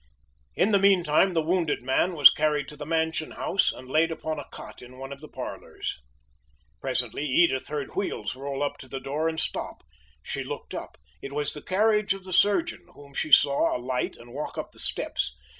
In the meantime the wounded man was carried to the mansion house and laid upon a cot in one of the parlors. Presently Edith heard wheels roll up to the door and stop. She looked up. It was the carriage of the surgeon, whom she saw alight and walk up the steps.